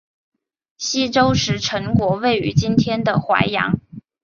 西周时陈国位于今天的淮阳。